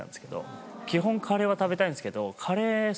基本カレーは食べたいんですけど。